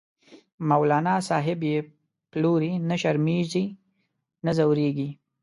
مولانا صاحب یی پلوری، نه شرمیزی نه ځوریږی